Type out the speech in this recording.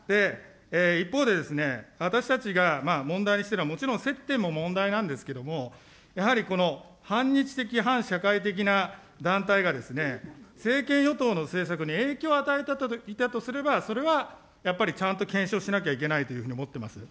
一方で、私たちが問題にしているのは、もちろん接点も問題なんですけれども、やはりこの反日的反社会的な団体が、政権与党の政策に影響を与えていたとすれば、それはやっぱりちゃんと検証しなきゃいけないというふうに思っています。